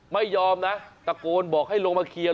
ไม่ยอมนะตะโกนบอกให้ลงมาเคลียร์